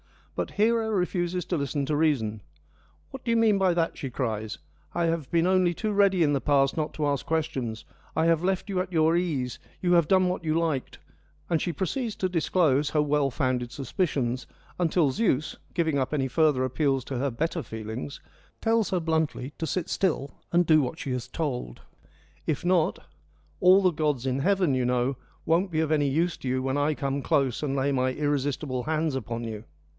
But Hera refuses to listen to reason :' What do you mean by that ?' she cries. ' I have been only too ready in the past not to ask questions, I have left you at your ease, you have done what you liked,' and she proceeds to disclose her well founded suspicions, until Zeus, giving up any further appeals to her better feelings, tells her bluntly to sit still and do what she is told. If not, ' All the gods in heaven, you know, won't be of any use to you when I come close and lay my irresistible hands upon you.'